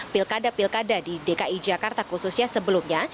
pilkada pilkada di dki jakarta khususnya sebelumnya